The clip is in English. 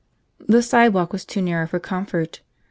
The sidewalk was too narrow for comfort.